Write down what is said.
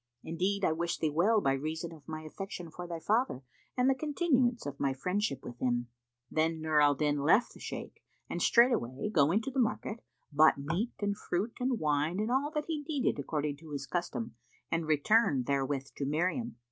Indeed I wish thee well by reason of my affection for thy father and the continuance of my friendship with him." Then Nur al Din left the Shaykh and straightway going to the market, bought meat and fruit and wine and all that he needed according to his custom and returned therewith to Miriam.